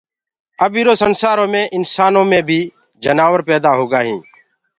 اب ايٚ را دُنيآ مي انسآنو مي بي جنآور پيدآ هوگآ هين